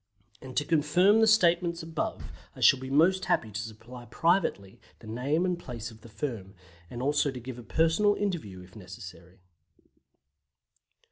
And to confirm the statements above, I shall be most happy to supply privately the name and place of the firm, and also to give a personal interview if necessary.